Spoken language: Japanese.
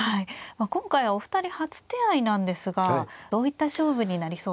今回はお二人初手合いなんですがどういった勝負になりそうですか。